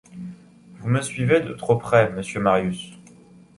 Vous me suivez de trop près, monsieur Marius.